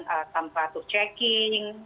selain juga dengan tanpa atur checking